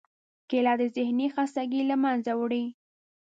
کېله د ذهنی خستګۍ له منځه وړي.